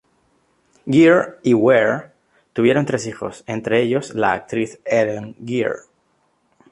Geer y Ware tuvieron tres hijos, entre ellos la actriz Ellen Geer.